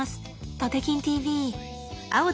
タテキンＴＶ。